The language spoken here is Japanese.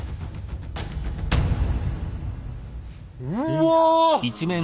うわ！